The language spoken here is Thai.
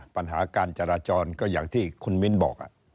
ปัญหาการจราจรก็อย่างที่คุณมิ้นบอก